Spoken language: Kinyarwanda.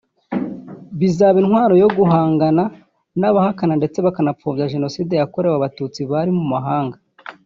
bizaba intwaro yo guhangana n’abahakana ndetse n’abapfobya Jenoside yakorewe Abatutsi bari mu mahanga